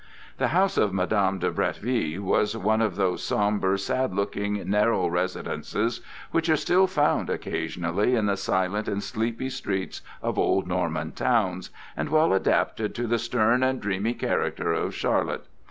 The house of Madame de Bretteville was one of those sombre, sad looking, narrow residences which are still found occasionally in the silent and sleepy streets of old Norman towns, and well adapted to the stern and dreamy character of Charlotte.